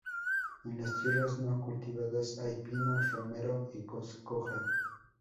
En las tierras no cultivadas hay pinos, romero y coscoja.